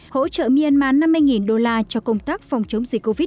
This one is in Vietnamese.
hỗ trợ myanmar năm mươi đô la cho công tác phòng chống dịch covid một mươi chín